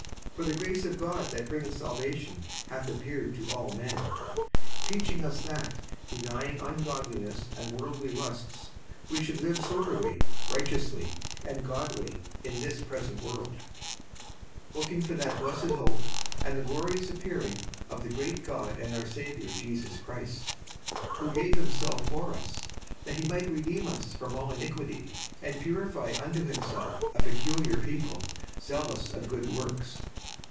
56:002:011 For the grace of God that bringeth salvation hath appeared to all men, 56:002:012 Teaching us that, denying ungodliness and worldly lusts, we should live soberly, righteously, and godly, in this present world; 56:002:013 Looking for that blessed hope, and the glorious appearing of the great God and our Saviour Jesus Christ; 56:002:014 Who gave himself for us, that he might redeem us from all iniquity, and purify unto himself a peculiar people, zealous of good works.